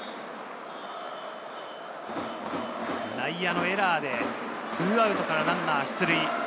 内野のエラーで２アウトからランナー出塁。